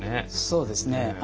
そうですね。